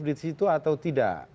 di situ atau tidak